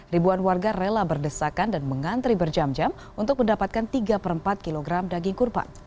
ribuan warga rela berdesakan dan mengantri berjam jam untuk mendapatkan tiga per empat kg daging kurban